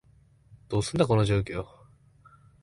どうすんだ、この状況？